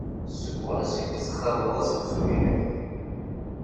Seg wansi i d-txaḍeḍ aselsu-inek?